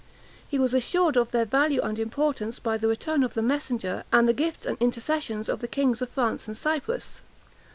He was assured of their value and importance by the return of the messenger, and the gifts and intercessions of the kings of France and of Cyprus.